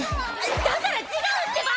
だから違うってば！